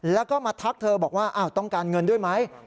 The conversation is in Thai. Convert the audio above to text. แล้วก็มาทักเธอบอกว่าต้องการเงินด้วยไหม